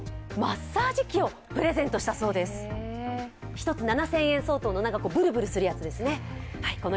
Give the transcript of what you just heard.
１つ７０００円相当のぶるぶるするやつですね。